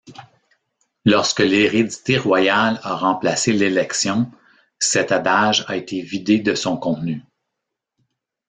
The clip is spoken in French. Lorsque l'hérédité royale a remplacé l'élection, cet adage a été vidé de son contenu.